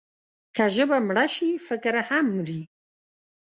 که ژبه مړه شي، فکر هم مري.